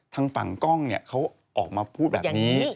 ทางฝั่งกล้องเนี่ยเขาออกมาพูดแบบนี้